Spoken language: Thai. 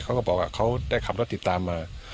เขาก็บอกว่าเขาได้ขับรถติดตามมา